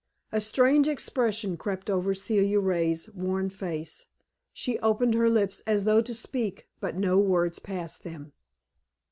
A strange expression crept over Celia Ray's worn face. She opened her lips as though to speak, but no words passed them.